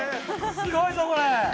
すごいぞこれ！